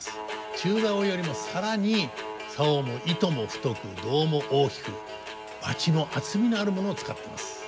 中棹よりも更に棹も糸も太く胴も大きくバチも厚みのあるものを使ってます。